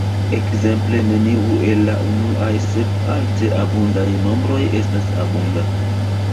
Ekzemple neniu el la unuaj sep alte abundaj nombroj estas abunda.